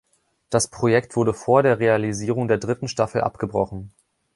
Das Projekt wurde vor der Realisierung der dritten Staffel abgebrochen.